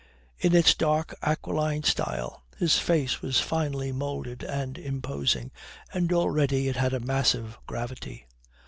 In its dark aquiline style his face was finely moulded and imposing, and already it had a massive gravity.